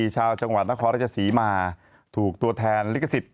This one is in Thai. ชาวจังหวัดนครราชศรีมาถูกตัวแทนลิขสิทธิ